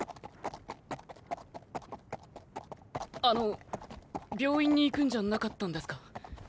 あの病院に行くんじゃなかったんですか？